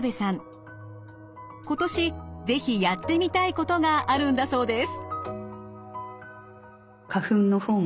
今年是非やってみたいことがあるんだそうです。